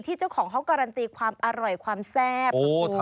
ที่เจ้าของเขาการันตีความอร่อยความแซ่บคุณผู้ชม